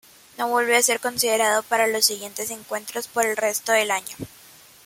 No volvió a ser considerado para los siguientes encuentros por el resto del año.